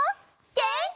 げんき！